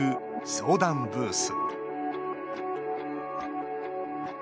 相談ブース